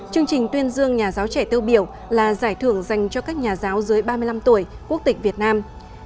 chương trình tuyên dương nhà giáo trẻ tiêu biểu là giải thưởng dành cho các nhà giáo dưới ba mươi năm tuổi quốc tịch việt nam